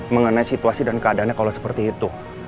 mengenai situasi dan keadaannya kalau seperti itu